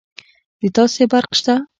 د تاسي برق شته